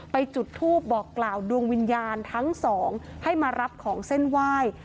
จุดทูปบอกกล่าวดวงวิญญาณทั้งสองให้มารับของเส้นไหว้